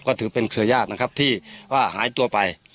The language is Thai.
ก็ถือเป็นเครือญาตินะครับที่ว่าหายตัวไป